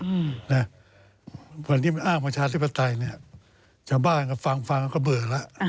เวลาเท่านี้มันอ้างประชาธิบัตรไทยเนี่ยจากบ้านก็ฟังฟังก็เบลอละ